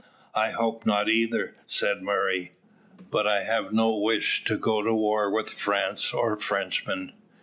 "I hope not either," said Murray. "But I have no wish to go to war with France or Frenchmen.